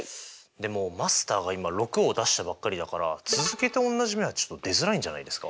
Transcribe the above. でもマスターが今６を出したばっかりだから続けて同じ目はちょっと出づらいんじゃないですか？